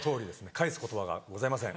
返す言葉がございません。